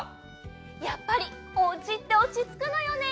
やっぱりおうちっておちつくのよね。